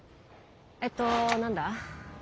えっと何だ？